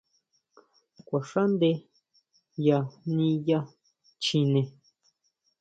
¿Kuaxaʼnde ya niyá chjine?